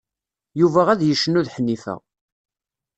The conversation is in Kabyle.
Yuba ad yecnu d Ḥnifa.